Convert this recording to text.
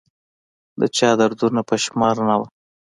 د چا دردونه په شمار نه وه